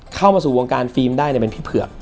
เข้ามาสู่วงการฟิล์มได้เป็นพี่เผือก